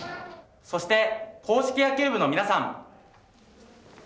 そして、硬式野球部のみなさん。